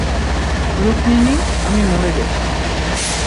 রুকমিনি, আমি মরে গেছি।